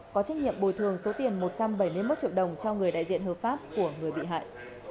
có trách nhiệm bồi thường số tiền một trăm bảy mươi một triệu đồng cho người đại diện hợp pháp của người bị hại